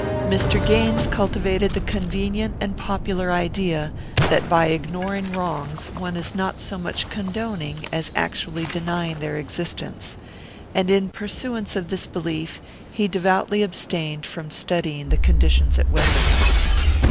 Mr. Gaines cultivated the convenient and popular idea that by ignoring wrongs one is not so much condoning as actually denying their existence; and in pursuance of this belief he devoutly abstained from studying the conditions at Westmore.